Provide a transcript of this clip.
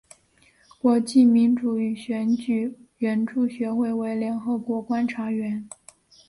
国际民主和选举援助学会为联合国观察员。